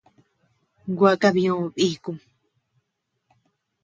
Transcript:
Gua kabiö bikum.